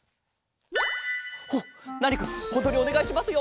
おっナーニくんほんとにおねがいしますよ。